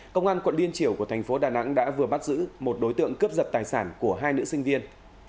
công an quận liên triểu của thành phố đà nẵng đã vừa bắt giữ một đối tượng cướp giật tài sản của hai nữ sinh viên